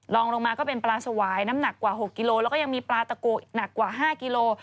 ลองลงมาก็เป็นปลาสวายน้ำหนักกว่า๖กิโลแล้วก็ยังมีปลาตะโกะหนักกว่า๕กิโล